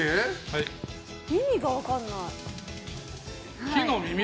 意味が分からない。